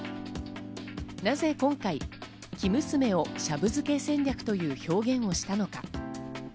なぜ今回、生娘をシャブ漬け戦略という表現をしたのか？